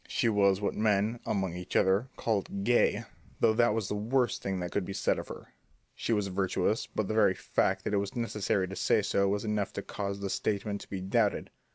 She was what men, among each other, called "gay," though that was the worst that could be said of her. She was virtuous, but the very fact that it was necessary to say so was enough to cause the statement to be doubted.